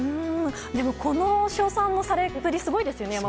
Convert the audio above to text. でもこの称賛のされっぷりすごいですね。